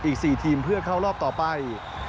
อีก๔ทีมเพื่อเข้ารอบต่อไป